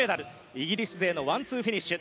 イギリス勢のワンツーフィニッシュ。